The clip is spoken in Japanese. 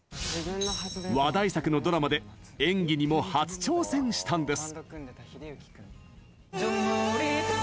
話題作のドラマで演技にも初挑戦したんです。